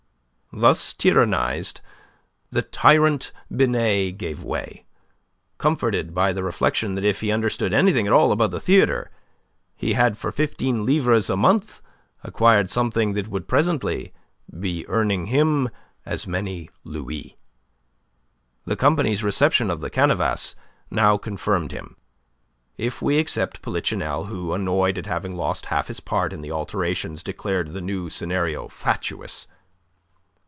Thus tyrannized, the tyrant Binet gave way, comforted by the reflection that if he understood anything at all about the theatre, he had for fifteen livres a month acquired something that would presently be earning him as many louis. The company's reception of the canevas now confirmed him, if we except Polichinelle, who, annoyed at having lost half his part in the alterations, declared the new scenario fatuous.